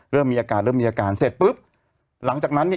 เริ่มมีอาการเริ่มมีอาการเสร็จปุ๊บหลังจากนั้นเนี่ย